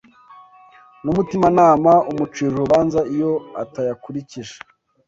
n’umutimanama umucira urubanza iyo atayakurikije